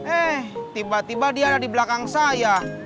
eh tiba tiba dia ada di belakang saya